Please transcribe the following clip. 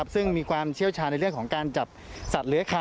ซึ่งมีความเชี่ยวชาญและทบความจับสัตว์เหลือขาล